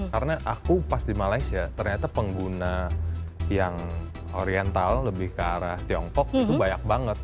karena aku pas di malaysia ternyata pengguna yang oriental lebih ke arah tiongkok itu banyak banget